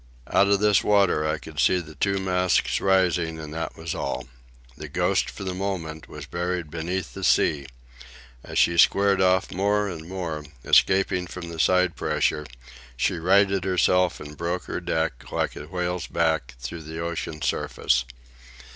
Out of this water I could see the two masts rising, and that was all. The Ghost, for the moment, was buried beneath the sea. As she squared off more and more, escaping from the side pressure, she righted herself and broke her deck, like a whale's back, through the ocean surface.